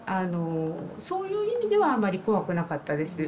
そういう意味ではあまり怖くなかったです。